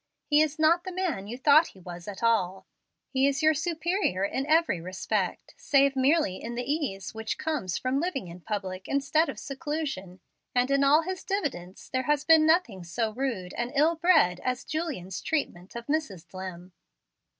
He is not the man you thought he was, at all. He is your superior in every respect, save merely in the ease which comes from living in public instead of seclusion, and in all his diffidence there has been nothing so rude and ill bred as Julian's treatment of Mrs. Dlimm.